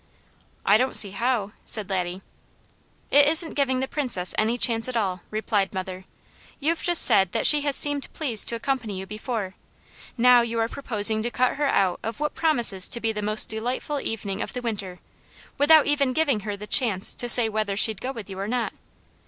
"I don't see how," said Laddie. "It isn't giving the Princess any chance at all," replied mother "You've just said that she has seemed pleased to accompany you before, now you are proposing to cut her out of what promises to be the most delightful evening of the winter, without even giving her the chance to say whether she'd go with you or not.